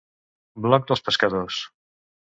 Bloc dels Pescadors.